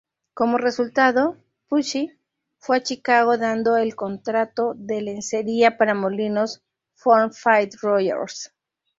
Como resultado, Pucci fue a Chicago dando el contrato de lencería para molinos FormFit-Rogers.